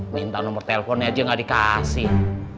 minta nomor teleponnya aja nggak dikasih